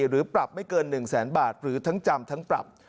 หรือปรับไม่เกิน๑แสนบาทหรือทั้งจำทั้งปรับ